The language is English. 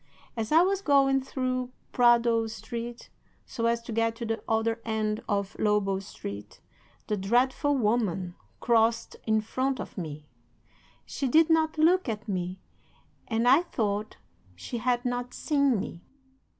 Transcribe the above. As I was going through Prado Street, so as to get to the other end of Lobo Street, the dreadful woman crossed in front of me. She did not look at me, and I thought she had not seen me.